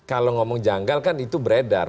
kalau ngomong janggal kan itu beredar